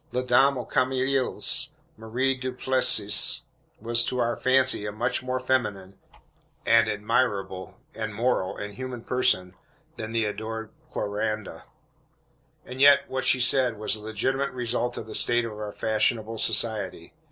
La Dame aux Camélias, Marie Duplessis, was to our fancy a much more feminine, and admirable, and moral, and human person, than the adored Clorinda. And yet what she said was the legitimate result of the state of our fashionable society.